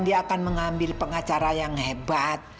dia akan mengambil pengacara yang hebat